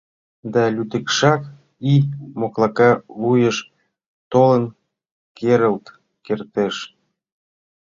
Да лӱдыкшак — ий моклака вуйыш толын керылт кертеш.